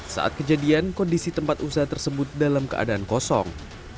saat kejadian kondisi tempat usaha tersebut dalam keadaan kosong